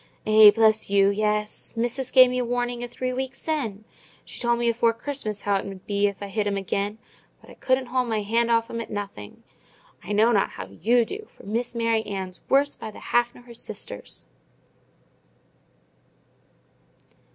"Eh, bless you, yes! Missis gave me warning a three wik sin". She told me afore Christmas how it mud be, if I hit 'em again; but I couldn't hold my hand off 'em at nothing. I know not how you do, for Miss Mary Ann's worse by the half nor her sisters!"